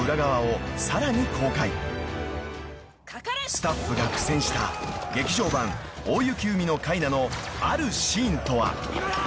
［スタッフが苦戦した劇場版『大雪海のカイナ』のあるシーンとは？］